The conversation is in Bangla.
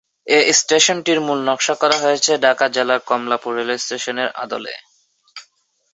এ স্টেশনটির মূল নকশা করা হয়েছে ঢাকা জেলার কমলাপুর রেলওয়ে স্টেশনের আদলে।